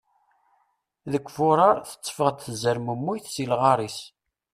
Deg furar, tetteffeɣ-d tzermemmuyt si lɣar-is.